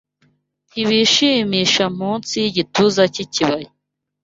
Ntibishimisha munsi yigituza cyikibaya